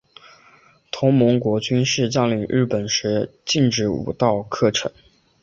同盟国军事占领日本时禁止武道课程。